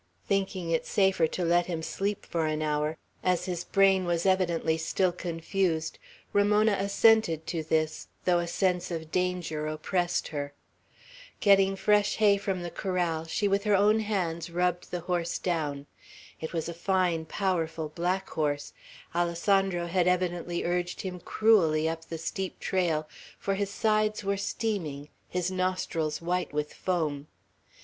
Thinking it safer to let him sleep for an hour, as his brain was evidently still confused, Ramona assented to this, though a sense of danger oppressed her. Getting fresh hay from the corral, she with her own hands rubbed the horse down. It was a fine, powerful black horse; Alessandro had evidently urged him cruelly up the steep trail, for his sides were steaming, his nostrils white with foam.